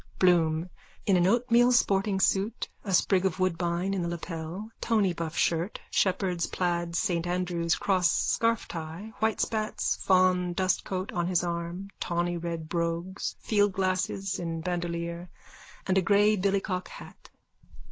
BLOOM: _(In an oatmeal sporting suit, a sprig of woodbine in the lapel, tony buff shirt, shepherd's plaid Saint Andrew's cross scarftie, white spats, fawn dustcoat on his arm, tawny red brogues, fieldglasses in bandolier and a grey billycock hat.)